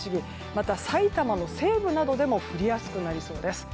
また、埼玉の西部などでも降りやすくなりそうです。